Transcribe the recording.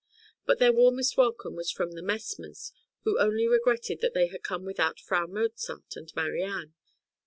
But their warmest welcome was from the Messmers, who only regretted that they had come without Frau Mozart and Marianne.